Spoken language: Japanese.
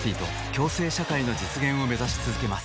共生社会の実現をめざしつづけます